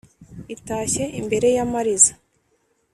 . Itashye imbere y’amariza